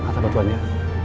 kata bapak tuannya